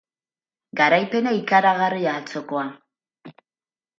Garaipena ikaragarria atzokoa